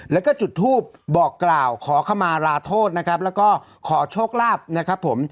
แล้วก็จุดทูปบอกกล่าวขอขมาลาโทษนะครับแล้วก็ขอโชคลาภนะครับผม